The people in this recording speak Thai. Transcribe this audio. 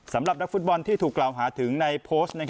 สำหรับนักฟุตบอลที่ถูกกล่าวหาถึงในโพสต์